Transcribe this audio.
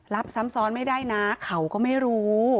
รับซ้ำซ้อนไม่ได้นะเขาก็ไม่รู้